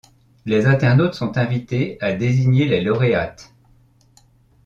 Les internautes sont invités à désigner les lauréates.